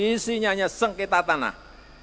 isinya hanya sengketa tanah